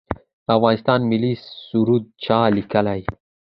د افغانستان ملي سرود چا لیکلی؟